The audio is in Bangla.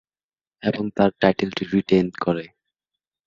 এবং তার টাইটেলটি রিটেইন করে।